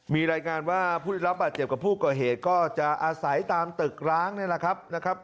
มีรายงานว่าผู้ได้รับบาดเจ็บกับผู้ก่อเหตุก็จะอาศัยตามตึกร้างนี่แหละครับนะครับ